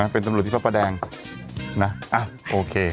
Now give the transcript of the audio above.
เป็นสำหรับที่ภาพปลาแดงนะอ่ะโอเค